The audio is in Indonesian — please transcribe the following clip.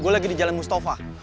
gue lagi di jalan mustafa